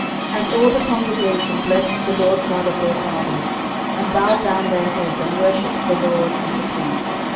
And all the congregation blessed the LORD God of their fathers, and bowed down their heads, and worshipped the LORD, and the king.